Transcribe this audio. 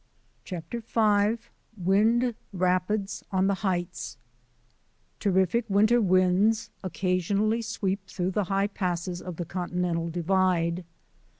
CHAPTER V WIND RAPIDS ON THE HEIGHTS TERRIFIC winter winds occasionally sweep through the high passes of the Continental Divide.